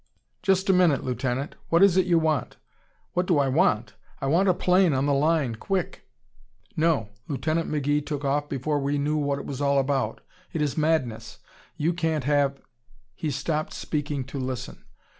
"Just a minute, Lieutenant! What is it you want?" "What do I want? I want a plane on the line quick!" "No! Lieutenant McGee took off before we knew what it was all about. It is madness. You can't have " He stopped speaking to listen.